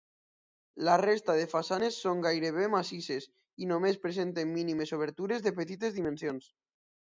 La resta de façanes són gairebé massisses, i només presenten mínimes obertures de petites dimensions.